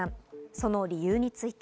その理由について。